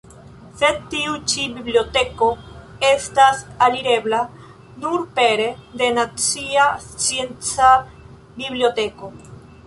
Sed tiu ĉi biblioteko estas alirebla nur pere de nacia scienca biblioteko.